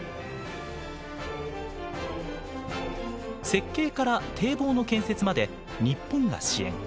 設計から堤防の建設まで日本が支援。